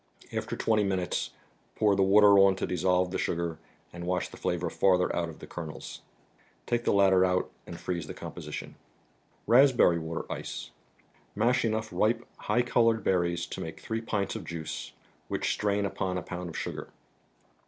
After twenty minutes pour the water on to dissolve the sugar and wash the flavor farther out of the kernels. Take the latter out and freeze the composi¬ tion. Kagptierrp anater ries to make three pints of juice, which strain upon a pound of sugar.